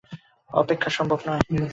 অপেক্ষা সম্ভব নয়।